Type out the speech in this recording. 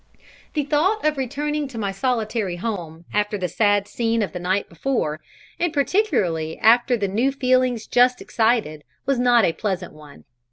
The thought of returning to my solitary home after the sad scene of the night before, and particularly after the new feelings just excited, was not a pleasant one.